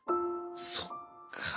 そっか。